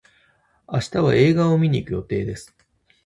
明日は映画を見に行く予定です。